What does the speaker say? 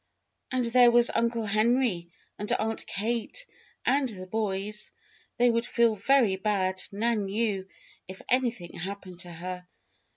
And there was Uncle Henry and Aunt Kate and the boys! They would feel very bad, Nan knew, if anything happened to her.